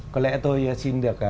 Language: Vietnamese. có lẽ tôi xin được